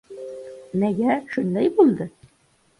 Nega shunday bo‘ldi?